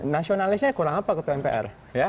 nasionalisnya kurang apa ke pmpr